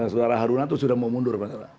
sudara harunan itu sudah mau mundur